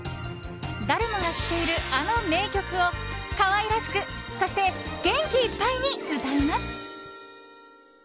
誰もが知っているあの名曲を可愛らしくそして、元気いっぱいに歌います。